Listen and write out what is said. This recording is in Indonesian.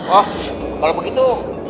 oh kalau begitu